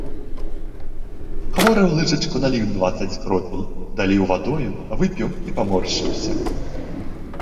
Хворы ў лыжачку налічыў дваццаць кропель, даліў вадою, выпіў і паморшчыўся.